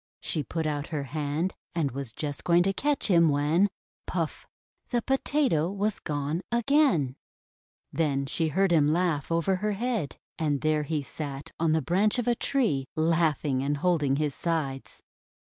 She put out her hand, and was just going to catch him, when — puff! the Potato was gone again ! Then she heard him laugh over her head. And there he sat on the branch of a tree, laughing and holding his sides.